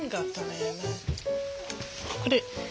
これ。